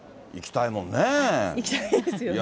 行きたいですよね。